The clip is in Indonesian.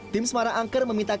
tim semarang angker memintakan